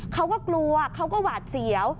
เขาก็กลัวเขาก็หวาดเสียว